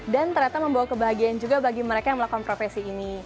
ternyata membawa kebahagiaan juga bagi mereka yang melakukan profesi ini